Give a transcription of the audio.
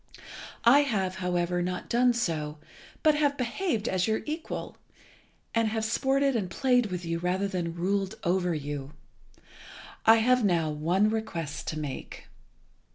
I have, however, not done so, but have behaved as your equal, and have sported and played with you rather than ruled over you. I have now one request to make.